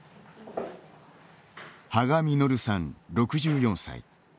羽賀實さん、６４歳。